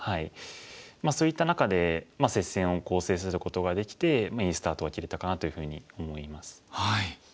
そういった中で接戦を制することができていいスタートが切れたかなというふうに思います。